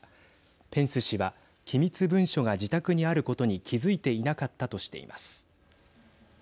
ペンス氏は機密文書が自宅にあることに気づいていなかったとしています。